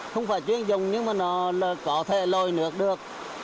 không phải chuyên dùng nhưng mà nó có thể lôi nước được